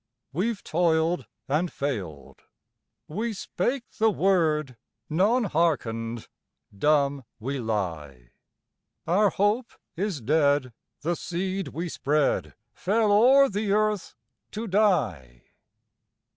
We've toiled and failed; we spake the word; None hearkened; dumb we lie; Our Hope is dead, the seed we spread Fell o'er the earth to die.